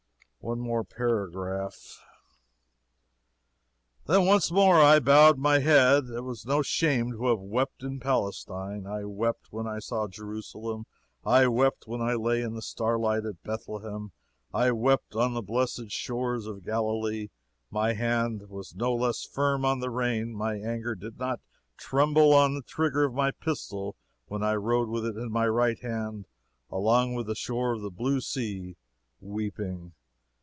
One more paragraph: "Then once more I bowed my head. It is no shame to have wept in Palestine. I wept, when I saw Jerusalem, I wept when I lay in the starlight at Bethlehem. I wept on the blessed shores of Galilee. My hand was no less firm on the rein, my anger did not tremble on the trigger of my pistol when I rode with it in my right hand along the shore of the blue sea" (weeping.)